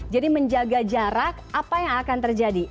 jadi menjaga jarak apa yang akan terjadi